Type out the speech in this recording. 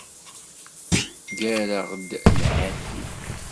Ggareɣ-d nnhati.